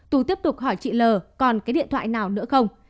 tú tiếp tục hỏi chị l còn cái điện thoại nào nữa không